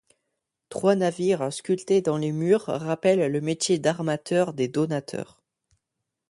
Trois navires sculptés dans les murs rappellent le métier d'armateur des donateurs.